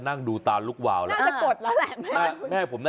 นะคะผมอะ